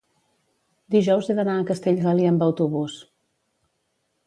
dijous he d'anar a Castellgalí amb autobús.